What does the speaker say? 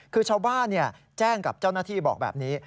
คือชาวบ้านแจ้งกับเจ้าหน้าที่บอกแบบนี้